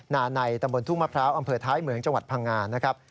นาในตำบลทุ่งมะพร้าวอำเภอท้ายเหมืองจังหวัดพังงานะครับ